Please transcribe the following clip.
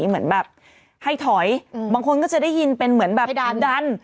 เหมือนแบบให้ถอยบางคนก็จะได้ยินเป็นเหมือนแบบดัน